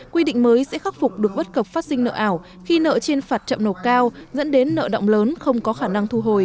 quy định mới sẽ khắc phục được bất cập phát sinh nợ ảo khi nợ trên phạt trậm nổ cao dẫn đến nợ động lớn không có khả năng